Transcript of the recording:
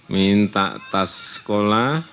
minta tas sekolah